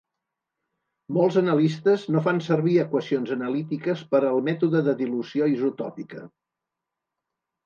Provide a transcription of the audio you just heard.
Molts analistes no fan servir equacions analítiques per al mètode de dilució isotòpica.